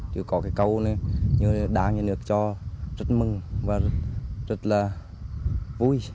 chứ có cái cầu này như đáng nhận được cho rất mừng và rất là vui